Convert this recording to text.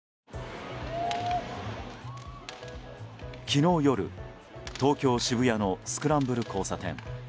昨日夜、東京・渋谷のスクランブル交差点。